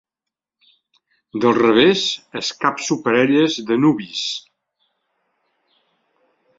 Del revés, escapço parelles de nuvis.